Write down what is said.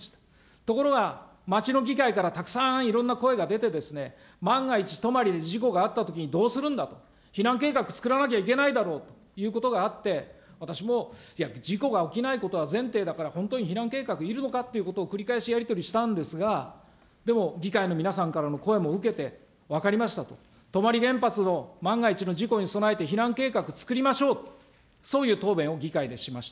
ところが町の議会からたくさんいろんな声が出て、万が一、泊で事故があったときにどうするんだと、避難計画作らなきゃいけないだろうということがあって、私も事故が起きないことが前提だから、本当に避難計画いるのかということを繰り返しやり取りしたんですが、でも、議会の皆さんからの声も受けて、分かりましたと、泊原発の万が一の事故に備えて、避難計画つくりましょうと、そういう答弁を議会でしました。